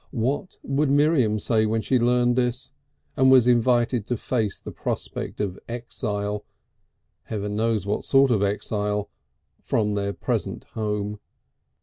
What would Miriam say when she learnt this, and was invited to face the prospect of exile heaven knows what sort of exile! from their present home?